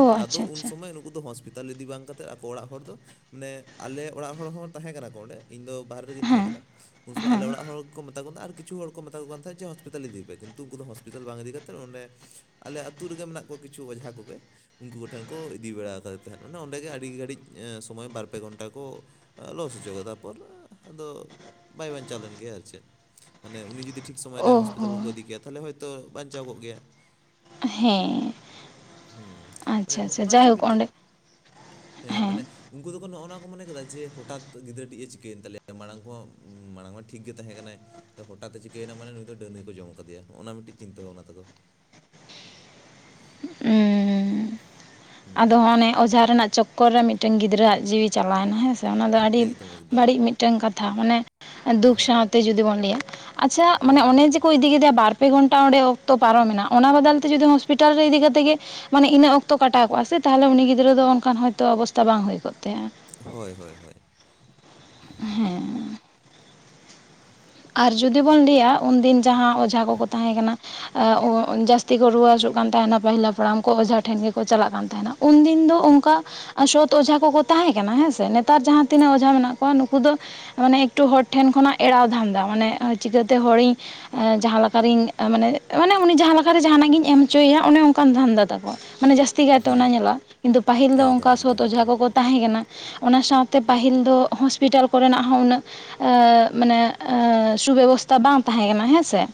ᱳ ᱟᱫᱚ ᱟᱪᱪᱷᱟ ᱩᱱ ᱟᱪᱪᱷᱟ ᱥᱚᱢᱚᱭ ᱱᱩᱠᱩ ᱫᱚ ᱦᱚᱸᱥ ᱯᱤᱴᱟᱞ ᱤᱫᱤ ᱵᱟᱝ ᱠᱟᱛᱮᱫ ᱟᱠᱚ ᱚᱲᱟᱜ ᱦᱚᱲ ᱫᱚ, ᱢᱟᱱᱮ ᱟᱞᱮ ᱚᱲᱟᱜ ᱦᱚᱲ ᱦᱚᱸ ᱛᱟᱦᱮᱸ ᱠᱟᱱᱟ ᱠᱚ ᱚᱸᱰᱮ ᱤᱧ ᱫᱚ ᱵᱟᱦᱨᱮ ᱨᱮᱜᱮᱧ ᱛᱟᱦᱮᱸ ᱦᱮᱸ ᱠᱟᱱᱟ, ᱩᱱ ᱥᱚᱢᱚᱭ ᱟᱞᱮ ᱦᱮᱸ ᱚᱲᱟᱜ ᱦᱚᱲ ᱠᱚ ᱢᱮᱛᱟ ᱠᱚ ᱠᱟᱱᱟ ᱟᱨ ᱠᱤᱪᱷᱩ ᱦᱚᱲ ᱠᱚ ᱢᱮᱛᱟ ᱠᱚ ᱛᱟᱦᱮᱸᱫ ᱡᱮ ᱦᱚᱥᱯᱤᱴᱟᱞ ᱤᱫᱤ ᱭᱮ ᱯᱮ ᱠᱤᱱᱛᱩ ᱩᱱᱠᱩ ᱫᱚ ᱦᱚᱥᱯᱤᱴᱟᱞ ᱵᱟᱝ ᱤᱫᱤ ᱠᱟᱛᱮᱫ ᱚᱸᱰᱮ ᱟᱞᱮ ᱟᱛᱩ ᱨᱮᱜᱮ ᱢᱮᱱᱟᱜ ᱠᱚᱣᱟ ᱠᱤᱪᱷᱩ ᱚᱡᱷᱟ ᱠᱚᱜᱮ ᱩᱝᱠᱩ ᱠᱚᱴᱷᱮᱱ ᱠᱚ ᱤᱫᱤ ᱵᱟᱲᱟ ᱠᱟᱫᱮ ᱛᱟᱦᱮᱸᱫ ᱢᱟᱱᱮ ᱚᱸᱰᱮ ᱜᱮ ᱟᱹᱰᱤ ᱜᱷᱟᱹᱲᱤᱡ ᱥᱚᱢᱚᱭ ᱵᱟᱨ ᱯᱮ ᱜᱷᱚᱱᱴᱟ ᱠᱚ ᱞᱚᱥ ᱦᱚᱪᱚ ᱠᱟᱫᱟ ᱛᱟᱨᱯᱚᱨ ᱟᱫᱚ ᱵᱟᱭ ᱵᱟᱧᱪᱟᱣ ᱞᱮᱱᱜᱮᱭᱟ ᱟᱨ ᱪᱮᱫ ᱢᱟᱱᱮ ᱩᱱᱤ ᱡᱩᱫᱤ ᱴᱷᱤᱠ ᱥᱚᱢᱚᱭ ᱨᱮ ᱳ ᱦᱳ ᱦᱚᱸᱥᱯᱤᱴᱟᱞ ᱠᱚᱠᱚ ᱤᱫᱤᱠᱮᱭᱟ ᱛᱟᱦᱞᱮ ᱦᱳᱭᱛᱳ ᱵᱟᱧᱪᱟᱣ ᱠᱚᱜ ᱜᱮᱭᱟ ᱦᱮᱸ ᱦᱩᱸ, ᱢᱟᱱᱮ ᱟᱪᱪᱷᱟ ᱟᱪᱪᱷᱟ ᱦᱚᱸᱜ-ᱚᱱᱟ ᱡᱮ ᱡᱟᱭᱦᱳᱠ ᱢᱤᱫᱴᱤᱡ ᱚᱸᱰᱮ ᱦᱮᱸ ᱢᱟᱱᱮ ᱩᱝᱠᱩ ᱫᱚᱠᱚ ᱱᱚᱜᱼᱚ ᱱᱟ ᱠᱚ ᱢᱚᱱᱮ ᱠᱟᱫᱟ ᱡᱮ ᱦᱚᱴᱟᱛ ᱜᱤᱫᱽᱨᱟᱹ ᱴᱷᱮᱡ ᱮ ᱪᱤᱠᱟᱹᱭᱮᱱ ᱛᱟᱞᱮᱭᱟ ᱢᱟᱲᱟᱝ ᱠᱚᱦᱚᱸ ᱢᱟᱲᱟᱝ ᱢᱟ ᱴᱷᱤᱠ ᱜᱮ ᱛᱟᱦᱮᱸ ᱠᱟᱱᱟᱭ ᱛᱚ ᱦᱚᱴᱟᱛᱮ ᱪᱤᱠᱟᱹᱭᱮᱱᱟ ᱢᱟᱱᱮ ᱱᱩᱭ ᱫᱚ ᱰᱟᱹᱱ ᱜᱮ ᱠᱚ ᱡᱚᱢ ᱠᱟᱫᱮᱭᱟ ᱱᱚᱜ-ᱚ ᱱᱚᱣᱟ ᱢᱤᱫᱴᱤᱡ ᱪᱤᱱᱛᱟᱹ ᱵᱷᱟᱵᱽᱱᱟ ᱛᱟᱠᱚ ᱚᱸ ᱟᱫᱚ ᱦᱩᱸ ᱦᱚᱸᱜᱼᱚᱱᱮ ᱚᱡᱷᱟ ᱨᱮᱱᱟᱜ ᱪᱚᱠᱠᱚᱨ ᱨᱮ ᱢᱤᱫᱴᱮᱱ ᱜᱤᱫᱽᱨᱟᱹ ᱟᱜ ᱡᱤᱣᱤ ᱪᱟᱞᱟᱣᱱᱟ ᱦᱮᱸ ᱥᱮ ᱛᱚ, ᱚᱱᱟ ᱫᱚ ᱟᱹᱰᱤ ᱮᱠᱫᱚᱢ ᱮᱠᱫᱚᱢ ᱵᱟᱹᱲᱤᱡ ᱢᱤᱫᱴᱮᱱ ᱠᱟᱛᱷᱟ ᱢᱟᱱᱮ ᱫᱩᱠ ᱥᱟᱶᱛᱮ ᱡᱩᱫᱤ ᱵᱚᱱ ᱞᱟᱹᱭᱟ ᱟᱪᱪᱷᱟ ᱢᱟᱱᱮ ᱦᱳᱭ ᱚᱱᱮ ᱦᱳᱭ ᱡᱮᱠᱚ ᱦᱳᱭ ᱤᱫᱤ ᱠᱮᱫᱮᱭᱟ ᱵᱟᱨ ᱯᱮ ᱜᱷᱚᱱᱴᱟ ᱚᱸᱰᱮ ᱚᱠᱛᱚ ᱯᱟᱨᱚᱢᱮᱱᱟ ᱚᱱᱟ ᱵᱟᱫᱚᱞ ᱛᱮ ᱡᱩᱫᱤ ᱦᱚᱸᱥᱯᱤᱴᱟᱞ ᱨᱮ ᱤᱫᱤ ᱠᱟᱛᱮᱜ ᱜᱮ ᱢᱟᱱᱮ ᱤᱱᱟᱹ ᱚᱠᱛᱚ ᱠᱟᱴ ᱠᱟᱴᱟᱣ ᱠᱚᱜᱼᱟ ᱥᱮ ᱛᱟᱦᱞᱮ ᱩᱱᱤ ᱜᱤᱫᱽᱨᱟᱹ ᱫᱚ ᱚᱱᱠᱟᱱ ᱦᱚᱭᱛᱳ ᱚᱵᱚᱥᱛᱟ ᱵᱟᱝ ᱦᱩᱭ ᱠᱚᱜ ᱛᱟᱭᱟ ᱦᱳᱭ ᱦᱳᱭ ᱦᱳᱭ ᱦᱮᱸ ᱟᱨ ᱡᱩᱫᱤ ᱵᱚᱱ ᱞᱟᱹᱭᱟ ᱩᱱᱫᱤᱱ ᱡᱟᱦᱟᱸ ᱚᱡᱷᱟ ᱠᱚᱠᱚ ᱛᱟᱦᱮᱸ ᱠᱟᱱᱟ ᱡᱟᱹᱥᱛᱤ ᱠᱚ ᱨᱩᱣᱟᱹ ᱦᱟᱹᱥᱩᱜ ᱠᱟᱱ ᱛᱟᱦᱮᱱᱟ ᱯᱟᱹᱦᱤᱞ ᱦᱟᱯᱲᱟᱢ ᱠᱚ ᱚᱡᱷᱟ ᱴᱷᱮᱱ ᱜᱮᱠᱚ ᱪᱟᱞᱟᱜ ᱠᱟᱱ ᱛᱟᱦᱮᱱᱟ ᱩᱱᱫᱤᱱ ᱫᱚ ᱚᱝᱠᱟ ᱥᱚᱛ ᱚᱡᱷᱟ ᱠᱚᱠᱚ ᱛᱟᱦᱮᱸ ᱠᱟᱱᱟ ᱦᱮᱸᱥᱮ ᱱᱮ ᱛᱟᱨ ᱡᱟᱦᱟᱸ ᱛᱤᱱᱟᱹᱜ ᱚᱡᱷᱟ ᱢᱮᱱᱟᱜ ᱠᱚᱣᱟ ᱱᱩᱠᱩ ᱫᱚ ᱢᱟᱱᱮ ᱮᱠᱴᱩ ᱦᱚᱲ ᱴᱷᱮᱱ ᱠᱷᱚᱱᱟᱜ ᱮᱲᱟᱣ ᱫᱷᱟᱱ ᱫᱟ ᱢᱟᱱᱮ ᱪᱤᱠᱟᱹᱛᱮ ᱦᱚᱲᱤᱧ ᱡᱟᱦᱟᱸ ᱞᱮᱠᱟᱨᱤᱧ ᱢᱟᱱᱮ ᱢᱟᱱᱮ ᱩᱱᱤ ᱡᱟᱦᱟ ᱞᱮᱠᱟᱨᱮ ᱡᱟᱦᱟᱱᱟᱜ ᱜᱤᱧ ᱮᱢ ᱦᱚᱪᱚᱭᱮᱭᱟ ᱚᱱᱮ ᱚᱝᱠᱟᱱ ᱫᱷᱟᱱᱫᱟ ᱛᱟᱠᱚ ᱢᱟᱱᱮ ᱡᱟᱹᱥᱛᱤ ᱠᱟᱭᱛᱮ ᱦᱩᱸ ᱚᱱᱟ ᱧᱮᱞᱚᱜᱼᱟ, ᱠᱤᱱᱛᱩ ᱯᱟᱹᱦᱤᱞ ᱫᱚ ᱮᱠᱫᱚᱢ ᱚᱝᱠᱟ ᱮᱠᱫᱚᱢ ᱥᱚᱛ ᱚᱡᱷᱟ ᱮᱠᱫᱚᱢ ᱠᱚᱠᱚ ᱛᱟᱦᱮᱸᱠᱟᱱᱟ ᱚᱱᱟ ᱥᱟᱶᱛᱮ ᱯᱟᱹᱦᱤᱞ ᱫᱚ ᱦᱚᱸᱥᱯᱤᱴᱟᱞ ᱠᱚᱨᱮᱱᱟᱜ ᱦᱚᱸ ᱩᱱᱟᱹᱜ ᱮᱸᱻ ᱢᱟᱱᱮ ᱮᱸᱻ ᱥᱩᱵᱮᱵᱚᱥᱛᱷᱟ ᱵᱟᱝ ᱛᱟᱦᱮᱸ ᱠᱟᱱᱟ ᱦᱮᱸ ᱥᱮ